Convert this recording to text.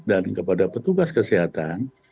dan kepada petugas kesehatan